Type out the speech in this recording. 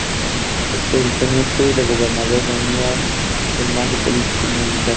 El teniente de gobernador reunía el mando político y militar.